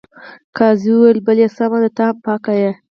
قاضي وویل بلې سمه ده ته هم په حقه یې.